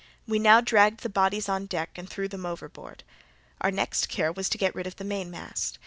We now dragged the bodies on deck and threw them overboard. Our next care was to get rid of the mainmast.